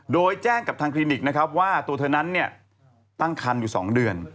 โดยแจ้งกับทางคลินิกนะครับว่าตัวเธอนั้นตั้งคันอยู่๒เดือน